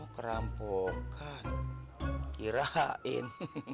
terampok kan kirain